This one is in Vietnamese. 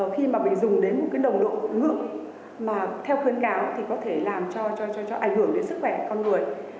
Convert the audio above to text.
khi mà mình dùng đến một cái nồng độ ngự mà theo khuyến cáo thì có thể làm cho ảnh hưởng đến sức khỏe con người